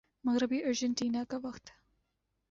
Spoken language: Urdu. مغربی ارجنٹینا کا وقت